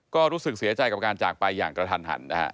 ก็รู้สึกเสียใจกับการจากไปอย่างกระทันหันนะฮะ